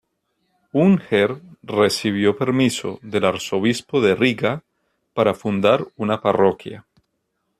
Unger recibió permiso del arzobispado de Riga para fundar una parroquia.